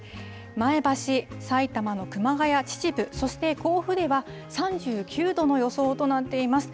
前橋、埼玉の熊谷、秩父、そして甲府では３９度の予想となっています。